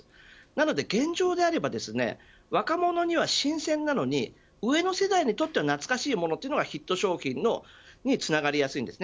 なので、現状であれば若者には新鮮なのに上の世代にとっては懐かしいものというのはヒット商品につながりやすいんです。